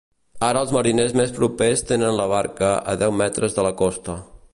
Ara els mariners més propers tenen la barca a deu metres de la costa.